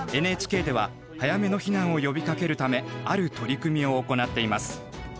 ＮＨＫでは早めの避難を呼びかけるためある取り組みを行っています。